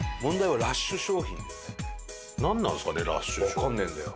わかんねえんだよ。